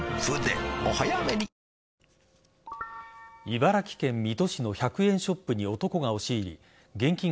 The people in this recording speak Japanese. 茨城県水戸市の１００円ショップに男が押し入り現金